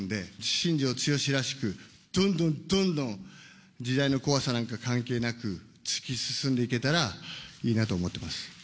新庄剛志らしく、どんどんどんどん時代の怖さなんか関係なく突き進んでいけたらいいなと思ってます。